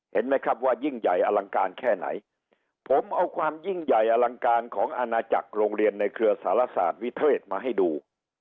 เห็นไหมครับว่ายิ่งใหญ่อลังการแค่ไหนผมเอาความยิ่งใหญ่อลังการของอาณาจักรโรงเรียนในเครือสารศาสตร์วิเทศมาให้ดู